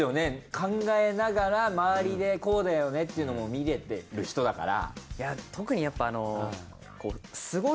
考えながら周りでこうだよねってのも見れてる人だから。